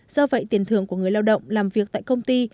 do vậy tiền thưởng của người lao động làm việc tại công ty